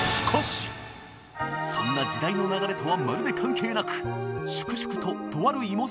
そんな時代の流れとはまるで関係なく粛々ととある芋